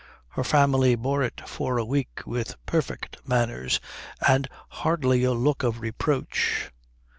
Her family bore it for a week with perfect manners and hardly a look of reproach.